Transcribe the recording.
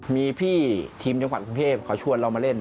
มีพี่ทีมจังหวัดกรุงเทพเขาชวนเรามาเล่น